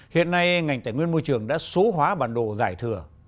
hiện nay ngành tài nguyên môi trường đã số hóa bản đồ giải thừa